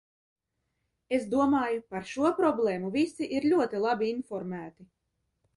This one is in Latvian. Es domāju, par šo problēmu visi ir ļoti labi informēti.